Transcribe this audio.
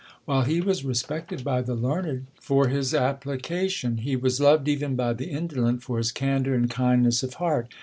While he was respected by the learned for his ap plication, he was loved even by the indolent for his candour and kindness of heart.